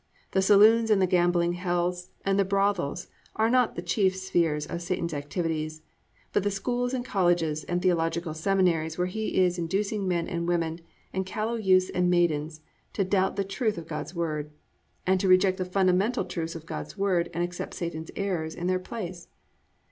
The saloons and the gambling hells and the brothels are not the chief spheres of Satan's activities, but the schools and colleges and theological seminaries where he is inducing men and women, and callow youths and maidens, to doubt the truth of God's Word, and to reject the fundamental truths of God's word and accept Satan's errors in their place.